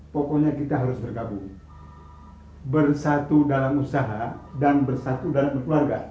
pokoknya kita harus bergabung bersatu dalam usaha dan bersatu dalam berkeluarga